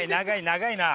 長いな。